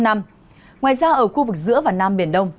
ngoài ra ở khu vực giữa và nam biển đông